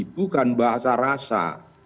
bukan bahasa rasa